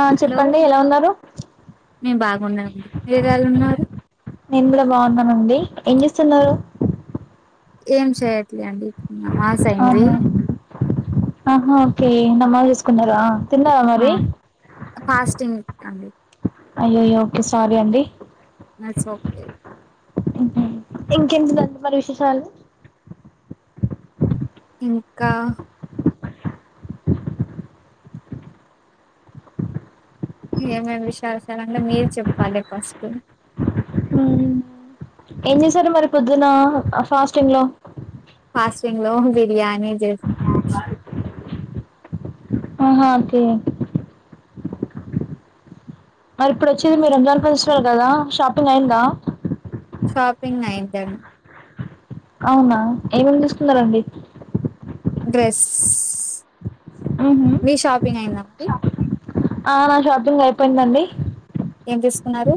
ఆ హలో చెప్పండి ఎలా ఉన్నారు మేము బాగున్నామండి మీరు ఎలా ఉన్నారు నేన్ కూడా బాగున్ననండి ఏం చేస్తున్నారు ఏం చెయట్లే అండి నమాజ్ అయింది అవునా ఆహా ఓకే నమాజ్ చేసుకున్నారా తిన్నవా ఆ మరీ [unintelligible] అయ్యో అయ్యో ఓకే సారీ అండి నెస్ ఓకే. ఉమ్ ఉమ్ మ్ ఇంకేంటిదండి విశేషాలు. ఇంకా ఏమేమ్ విషాల్ సల్ అంటె మీరు చెప్పండి ఫస్టు మ్మ్. ఏం చేశార్ మరి పొద్దునా అ ఫాస్టింగ్ లో. ఫస్టింగ్ లో బిర్యానీ చేస్. అవునా ఓకే. మరిప్పుడు ఒచ్చేది మీ రంజాన్ ఫెస్టివల్ కదా షాపింగ్ అయ్యిందా. షాపింగ్ అయిందండి. ఔనా ఏమేమి తీస్కున్నరండి. డ్రెస్స్స్స్ మీ షాపింగ్ అయింద మరి. ఆహ్ నా షాపింగ్ అయిపోయిందండి. ఏం తీస్కున్నరు.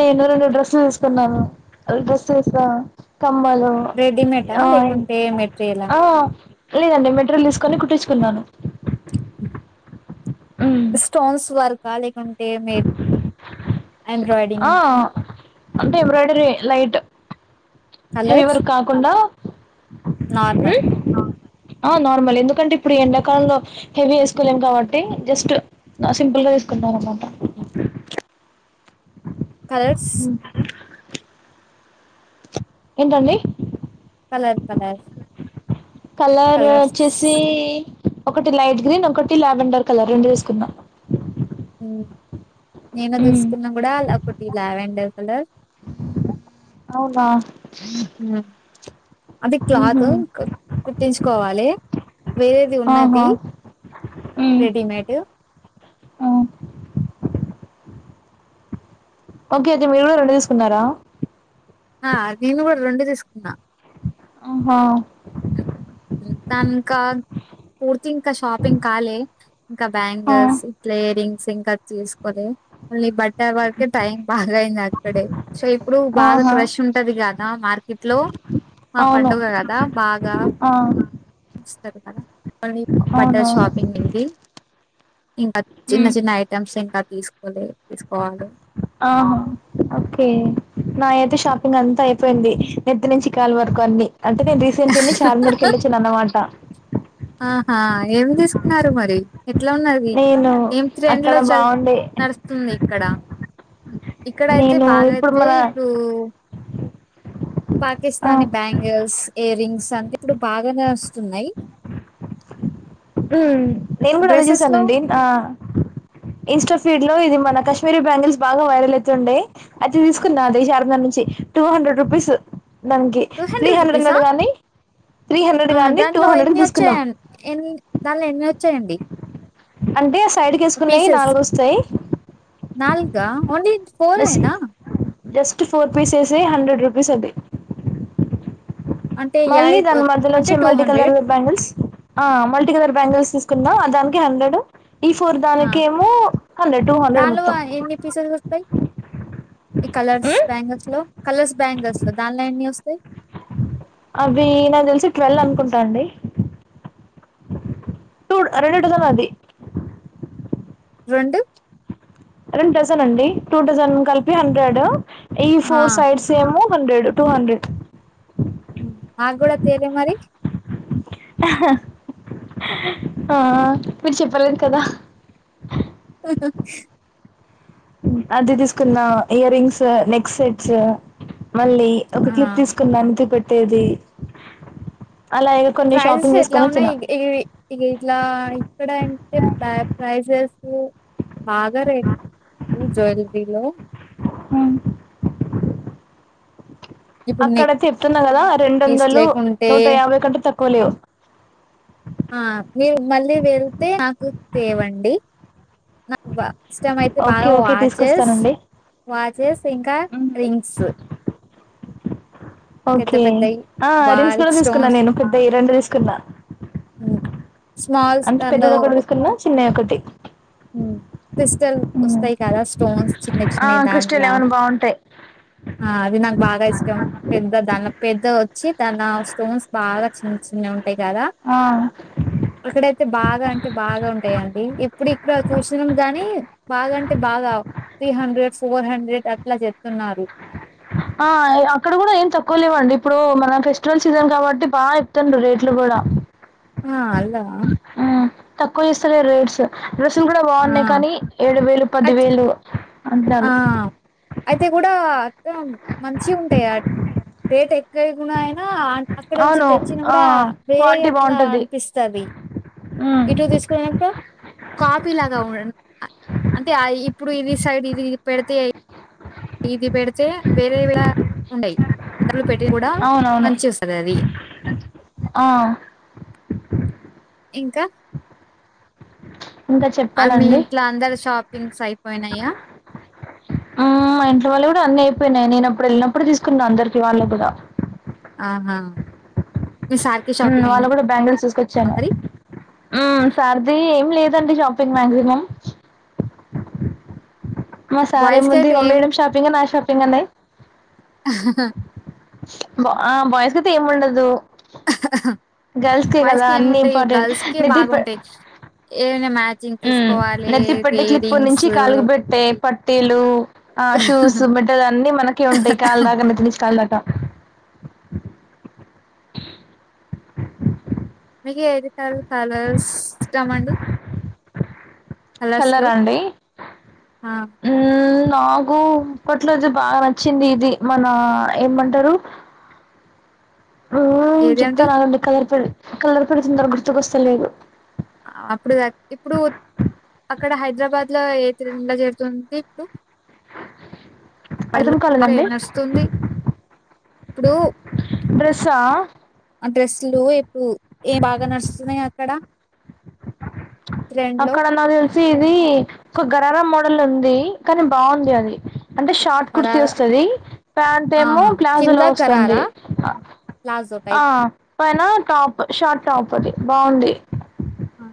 నేను రెండు డ్రెస్సుల్ తీస్కున్నాను అవి డ్రెస్సెస్ ఆహ్. కమ్మలు రెడీమేటా ఆహ్ లేకుంటే మెటీరియలా ఆహ్. లేదండి మెట్రియల్ తీస్కొని కుట్టిచ్కున్నాను. ఉమ్ స్టోన్స్ వర్క్. లేకుంటే మే. ఎంబ్రాయిడింగ్ ఆహ్ అంటె ఎంబ్రాయిడరీ ఏ లైట్. కలర్స్ హేవర్ కాకుండా. నార్మల్ ఉమ్ ఆహ్. నార్మలె ఎందుకంటె ఇప్పుడు ఎండాకాలంలో హెవీ ఏస్కోలేం కాబట్టి జస్ట్ సింపుల్ గా తీస్కున్ననమా. ఉమ్. కలర్స్. ఎంటండి. కలర్ అర్థం కాలే. కలరు ఒచ్చేసీ. ఒకటి లైట్ గ్రీన్ ఒకటి ల్యావెండర్ కలర్ రెండు దీస్కున్న. ఉమ్. నేను తీస్కున్న గుడ ఒకటి ల్యావెండర్ కలర్. అవునా ఉమ్ అది మ్హూ. క్లాతు కుట్ కుట్టించుకోవాలి. వేరేది ఉన్నద్ది ఆహా రెడీమేటు. ఓకే ఐతే మీరు కూడ రెండు తీస్కున్నరా. ఆహ్ నేను గుడ రొండు తీస్కున్న. అహా. [unintelligible] పూర్తింకా షాపింగ్ కాలే. ఇంక ఆ బ్యాంగల్స్ ఇట్లా ఇయరింగ్స్ ఇంక తీస్కోలె ఓన్లీ బట్. బట్టల వరకే టైం బాగయింది అక్కడే చే. ఇప్డు బాగ ఆహా క్రష్ ఉంటది గాదా మార్కెట్ లో మా పండుగ గద బాగ. ఆహ్. వస్తరు గద. ఓన్లీ బట్టల్ అవునవును షాపింగ్ అయింది ఇంగ చిన్న చిన్న ఐటమ్స్ ఇంక. ఆహ ఓకే లయర్. త్త షాపింగ్ అంత అయిపోయింది నెత్తి నుంచి కాలి వరకు అన్ని. అంటె నేన్ రీసెంట్ చూన్ని చార్మినార్క్ వెళ్లొచ్చిన అనమాట. ఆహా! ఏమి తీస్కున్నారు మరి. ఎట్ల ఉన్నది నేను ఏం త్రెండ్ అక్కడ లో చద్ బాగుండే నడుస్తుంది ఇక్కడ. ఇక్కడైతె నేను ఇప్పుడు బాగైతె మన ఇప్పుడు. ఆ పాకిస్తాని బ్యాంగిల్స్ ఇయర్రింగ్స్ అంత ఇప్పుడు బాగానే ఒస్తున్నై. ఉమ్ నేను గుడ అదే డ్రెసెస్‌లో చూసానండి ఆహ్ ఇన్స్టా ఫీడ్ లొ. లో ఇది మన కశ్మీరి బ్యాంగిల్స్ బాగ వైరల్ అయితుండే అయితే తీస్కున్న అదె షారద నుంచి టూ హండ్రెడ్ రుప్. పిస్స్. దానికి త్రీ హండ్రెడ్ రూపీసా? అన్నాడు గానీ త్రీ హండ్రెడ్ గాని టూ హండ్రెడ్ కి తీసుకున్నాం ఎన్ దానిలో ఎన్ని ఒచ్చాయండి అంటే సైడ్కేసుకున్నాయ్ నాలుగోస్తయ్ ద ఓన్లీ ఫోర్ ఏ నా జస్ట్ ఫోర్ పీసెస్ హె హండ్రెడ్ రూపీస్ పడ్డాయ్ అంటే మళ్ళీ దాని అంటే మధ్యలొచ్చే మల్టీ కలర్ బ్యాంగిల్స్ ఆ మల్టీకలర్ బ్యాంగిల్స్ తీసుకున్నా దానికి హండ్రెడ్ ఈ ఫోర్ ఆ! దానికేమో హండ్రెడ్ టూ హండ్రెడ్ దానిలో మొత్తం ఎన్ని పీసెస్ వస్తాయి? ఈ కలర్స్ ఉమ్, బ్యాంగల్స్ లో కలర్స్ బ్యాంగల్స్ లో దాన్ట్లో ఎన్ని ఒస్తాయ్ అవి నాకు తెలిసి ట్వెల్ అనుకుంటా అండి టూ రెండు డజన్లు అవి రొండు రెండు డజన్ అండి టూ డజన్ కలిపి హండ్రెడ్ ఈ ఆ ఫోర్ సైడ్స్ ఏమొ హండ్రెడ్ టూ హండ్రెడ్ మ్ మాక్కూడా తేలె మరి ఆ మీరు చెప్పలేదు కదా అది తీసుకున్న ఇయర్ రింగ్స్ నెక్ సెట్స్ మళ్ళీ ఒక ఆ క్లిప్ తీసుకున్నం క్ పెట్టేది అలాగే కొన్ని ప్రైజెస్ షాపింగ్ ఎట్లా చేసుకొని వచ్చిన ఉన్నాయి ఇవి ఇట్లా ఇక్కడ అంటే ప్ర ప్రైజెస్ స్ బాగా రేట్ మ్ జువెల్లరీలో ఇప్పుడు అక్కడ నెక్ చెప్తున్నా కదా పీస్ రెండొందలు లేకుంటే నూట యాభై కంటె తక్కువ లేవు ఆ మీరు మళ్ళీ వెళ్తే నాకు తేవండి నాకు బా ఇష్టం అయితే ఓకే బాగా ఓకే వాచెస్ తీసుకొస్తానండి వాచెస్ ఇంకా రింగ్స్ పెద్ద ఓకే పెద్దయి ఆ రింగ్స్ కూడా బారిక్ తీసుకున్నా స్టోన్స్ నేను పెద్దయి రెండు తీసుకున్నా స్మాల్స్ అంటే పెద్దదొకటి తీసుకున్నా చిన్నదోకట్ మ్ క్రిస్టల్ వస్తాయి కదా స్టోన్స్ చిన్న ఆ చిన్నవి దాంట్ల క్రిస్టల్ అవును బాగుంటాయి ఆ అవి నాకు బాగా ఇష్టం పెద్ద దన్ పెద్దగొచ్చి తన స్టోన్స్ బాగా చిన్న చిన్న ఉం కాదా ఆ అక్కడైతే బాగా అంటే బాగా ఉంటాయండి ఇప్పుడు ఇ చిణం గాని బాగాంటే బాగా త్రీ హండ్రెడ్ ఫోర్ హండ్రెడ్ అట్లా చెప్తున్నారు ఆ అక్కడ కూడా ఏం తక్కువ లేవండి ఇప్పుడు మన ఫెస్టివల్ సీజన్ కాబట్టి బాగా చెప్తుండ్రు రేట్లు కూడా ఆ అల్లనా తక్కువ చేస్తాలేరు రేట్స్ డ్రెస్సులు కూడా ఆ బాగున్నాయి కానీ ఏడు వేలు పది అట్ వేలు ఆ అంటున్నారు అయితే కూడా గ మంచిగుంటయ్ గా రేట్ ఎక్కువైనగున ఆ అన్ అక్కడ నుంచి అవును తెచ్చిన ఆ కూడా వేరే క్వాలిటీ అట్లా బాగుంటది అనిపిస్తాది ఉమ్ ఇటు తీసుకున్నప్పుడు కాపీ లాగా ఉన్ ఆ అంటే ఆ ఇప్ ఇప్పుడు ఇది సైడ్ ఇది పెడితే ఇది పేడితే వేరేయి కూడ ఉండయ్ పెట్టి కూడా అవునవును పని చేస్తది అది ఆ ఇంకా ఇంకా ఆ మీ చెప్పాలండి ఇంట్ల అందరి షాపింగ్స్ అయిపోయినయా మ్ మా ఇంట్లో వాళ్ళుయికూడా అన్నిీ అయిపోయినాయి నేనప్పుడు వెళ్ళినప్పుడు తీసుకున్నా అందరికి వాళ్ళకి కూడా ఆహా మీ సార్కి హు మ్ షాపింగ్ వాళ్ళు అయిందా కూడా బ్యాంగిల్స్ తీసుకొచ్చాను మరి మ్ సర్ది ఎం లేద్ పోయిందండి షాపింగ్ మాగ్సిమం మా సారే బాయ్స్ కి ముంది అయితే మా ఏం మేడం షాపింగ్ నా షాపింగ్ అన్నాయ్ బా ఆ బాయ్స్కైతే ఏం ఉండదు గర్ల్స్ కే బాయ్స్ కదా కి అన్ని ఇంపార్టెంట్ నిటి ప ఏవనా మ్యాచింగ్ తీసుకోవాలి ఇయ రింగ్సు పట్టిలు ఆ షూస్ మెటల్ అన్ని మనకె ఉంటాయి కాల్ దాకా నేతి నుంచి కాల్ దాకా ఇంతకీ ఎడి కల్ కలర్స్ ఇష్టం అండి కలరా అండి ఆ మ్ నాకు ఇప్పట్లో చె బా నచ్చింది ఇది మన ఏమంటరు హ్మ్ ఏదండి చెప్తానగండి కలర్ పేరు కలర్ పేర్ తొందరగా గుర్తుకొస్తలేదు అప్పుడు ఇప్పుడు అక్కడ హైదరాబాద్ ట్లా ఎ త్రిన్ల జెరుతుంది ఇప్పుడు అర్థం [unintelligible] ఎ కాలేదండి నొస్తుంది ప్పుడు డ్రెస్సా అంటే స్లు ఎప్పు ఎ బాగా నడుస్తున్నాయి క్కడ అక్కడ నాకు తెలిసి ఇది కుగ్గారాల మోడల్ ఉంది కానీ బావుంది అది అంటే షార్ట్ కుర్తి గరారా ఓస్తది ప్యాంట్ ఆ ఏమో ప్లాజో లో ఒస్తంది జో టైప్ పైన టాప్ షార్ట్ టాప్ అది బావుంది ఆ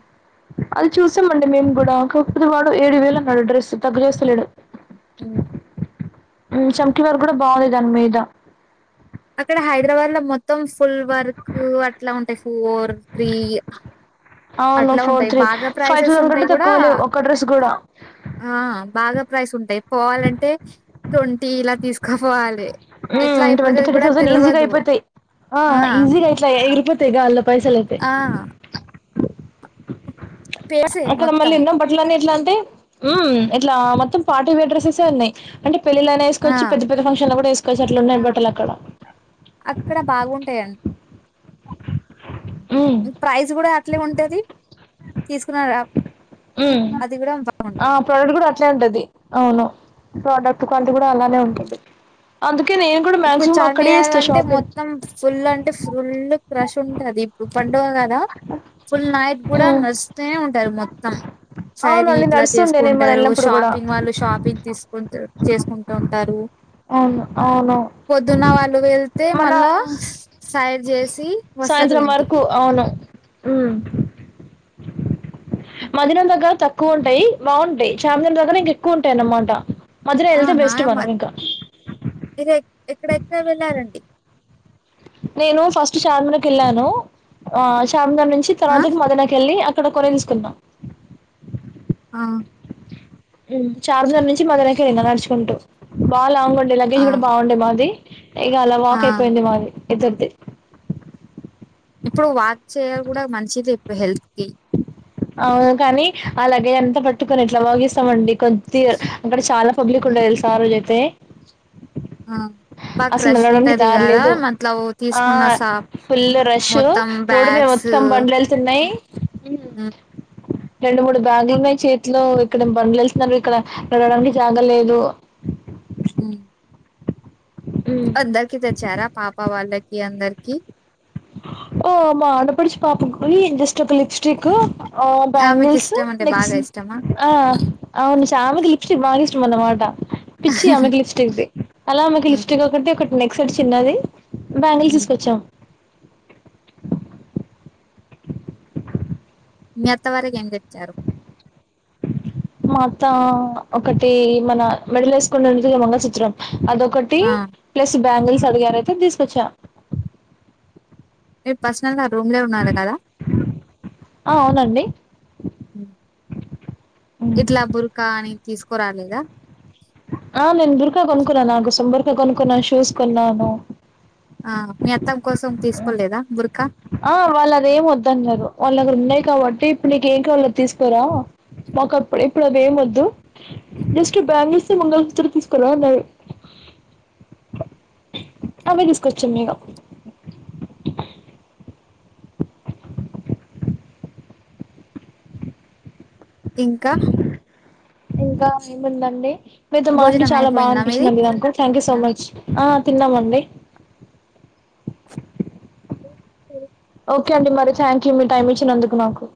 అది చూసామండి మేము కూడా కాకపోతే వాడు ఏడు వెల్ అన్నాడు డ్రెస్సు తగ లెసలేదు మ్ చమ్కలర్ కూడా బాలే దాని మీద అక్కడ హైదరాబాద్ లో మొత్తం ఫుల్ వర్క్ అట్లా ఉంటాయి ఫోర్ త్రీ అవును అట్లా ఫోర్ ఉంటాయి త్రీ బాగా ఫైవ్ ప్రైసెస్ థౌసండ్ కంటే ఉంటాయ్ కూడా తక్కువ లేవు ఒక డ్రెస్ కూడా ఆ బాగా ప్రైస్ ఉంటయి పోవాలంటే తొంటి ఇలా తీసుకో వోవాలి హ్మ్ ట్వంటీ థర్టీ తౌసండ్ ఈజిగా అయిపోతేయి ఆ ఈజిగా అయితాయే పోతయి గాల్లో పైసల్ అయితే ఆ పేర్సే అక్కడ మళ్ళీ మొత్తం ఎనో బట్లనే ఇట్లా అం టే హ్మ్ ఇట్లా మొత్తం పార్టీ వేర్ డ్రెస్సెసే ఉన్నాయి అంటే పెళ్లిలోన ఆ ఏస్కోచ్చు పెద్ద పెద్ద ఫంక్షన్ లో కూడా ఏసుకోచ్చు అట్ల ఉన్నాయి బట్టల్ అక్కడ అక్కడ బాగుంటాయి అన్ మ్మ్ ప్రైజ్ కూడా అట్లే ఉంటది తీసుకున్నారా మ్ ఆ ప్రోడక్ట్ కూడా అట్లే ఉంటది అవును ప్రోడక్ట్ క్వాలిటీ కూడా అలానే ఉంటది అందు ఇప్పుడు చార్మినార్ అంటే మొత్తం ఫుల్ అంటే ఫుల్ క్రష్ అది ఇప్పుడు పండుగ కదా ఫుల్ నైట్ కూడా మ్మ్ నస్తానే ఉంటారు మొత్తం సైది అవునండి ఇట్లా నడుస్తుండే నేను మనం చేసుకుంటారు వెళ్ళినప్పుడు కూడా షాపింగ్ వాళ్ళు షాపింగ్ తీసుకుంటారు చేసుకుంటా ఉంటారు అవును అవును పొద్దున్న వాళ్ళు వెళ్తే మనం మళ్ళా సైడ్ చేసి వస్తారు సాయంత్రం వరకు ఇంటికి అవును మధినం దగ్గర తక్కువ ఉంటాయి బావుంటాయి చార్మినార్ దగ్గర ఇంక ఎక్కువ ఉంటాయి అనమాట మధిర ఎళ్తే ఆహా బెస్ట్ మనం మరి ఇంకా మీరు ఎక్కడెక్కడ వెళ్ళాలండి నేను ఫస్ట్ చార్మనకి ఏళ్ళాను ఆ చార్మిన నుంచి ఆ తర్వాత మధిన కేళ్ళి అ క్కడ కోరేన్స్కున్నా ఆ చార్మినార్ నుంచి మదుర కె ఇంక నడుచుకుంటూ బా లాంగ్ ఉండే లగేజ్ ఆ కూడా బావుండే మాది ఏగల వాక్ ఆ అయిపోయింది మాది ఇద్దర్ది ఇప్పుడు వాక్ చేయాలి కూడా మంచిది ఇప్పుడు హెల్త్ కి అవును కాని ఆ లగేజఅంత పట్టుకొని ఎట్లా వాగిస్తామండి కొద్ది అక్కడ చాలా పబ్లిక్ ఉం తెలుసా ఆరోజైతే ఆ బా క్రష్ ఉంటది కదా లేదు మట్ల ఆ తీసుకున్న సా ఫుల్ రష్ మొత్తం రోడ్డు మీదా మొత్తం బండ్లేతున్నాయ్ మ్ రెండు మూడు బ్యాగులు ఉన్నయ్ చేతిలో ఇక్కడ బండ్లేస్తున్నారు ఇక్కడ నడవడానికి జాగ లేదు మ్ అందరికి తెచ్చారా పాప వాళ్ళకి అందరికి ఓ మా ఆడపడుచు పాపకి జస్ట్ ఒక లిప్స్టిక్ ఆ ఆమెకి బ్యాంగిల్స్ ఇష్టం అంటే బాగా నెక్స్ట్ ఇష్టమా ఆ అవును శ్యామకి లిపీస్టిక్ బాగిస్ ష్టం అన్నమాట పిచ్చి ఆమెకి లిప్స్టిక్దిి అలా ఆమెకి హ్మ్. లిప్స్టిక్ ఒకటి ఒకటి నెక్ సేట్ చిన్నది బ్యాంగిల్స్ హ్మ్. తీసుకొచ్చాం మీ అత్తవరికేం తెచ్చారు త్త ఒకటి మన మెడలేసుకున్నది మంగల్ సూత్రం అదొకటి ఆ ప్లస్ బ్యాంగిల్స్ అడిగారైతే అది తీసుకొచ్చా మీర్ పర్సనల్గా రూమ్లే ఉన్నారు గదా ఆ అవునండి ఇట్లా బుర్కా అనీ తీసుకోరాలేదా ఆ నేన్ బుర్కా కొనుకున్నా నాకోసం బుర్కా కొనుకున్నా శూస్ కొన్నాను ఆ మీ అత్తమ్మ కోసం తీసుకోలేదా బుర్ ఆ వాళ్ళు అదెం వద్దన్నారు వాళ్ళ దగ్గర ఉన్నాయి కాబట్టి ఇప్పుడు నీకేం కావలో తీసుకోరా మాక ప్ ఇప్పుడవ్వేం వద్దు జస్ట్ బ్యాంగిల్స్ మంగళసూత్ర తీసుకరా అన్నారు అవ్వే తీసుకొచ్చా నిను ఇంకా ఇంకా ఏం ఉందండి మీతో మాటలు భోజనం చాలా బాగా అయిపోయిందా మీది అనిపించిందండి నాకు థ్యాంక్ యూ సో మచ్ ఆ తిన్నామండి ఉ ఉ ఓకే అండి మరి థ్యాంక్యూ మీ టైం ఇచ్చినందుకు మాకు